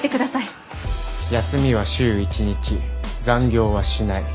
休みは週１日残業はしない。